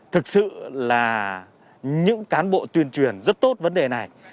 thực sự là những cán bộ tuyên truyền rất tốt vấn đề này